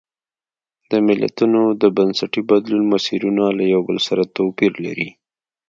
د ملتونو د بنسټي بدلون مسیرونه له یو بل سره توپیر لري.